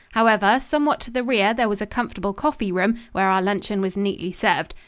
However, somewhat to the rear there was a comfortable coffee room, where our luncheon was neatly served.